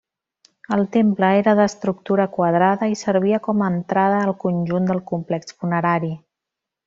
El temple era d'estructura quadrada i servia com entrada al conjunt del complex funerari.